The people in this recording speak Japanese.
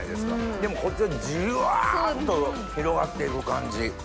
でもこっちはジワっと広がって行く感じ。